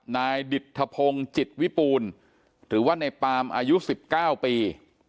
นายดิทธพงศ์จิตวิปูลหรือว่าในปาล์มอายุสิบเก้าปี